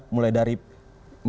mulai dari merata